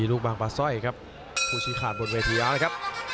มีลูกบางปลาสร้อยครับภูชิฆานบนเวทยานะครับ